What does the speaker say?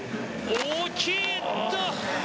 大きい。